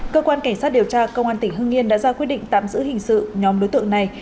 cơ quan cảnh sát điều tra công an tỉnh hưng yên đã ra quyết định tạm giữ hình sự nhóm đối tượng này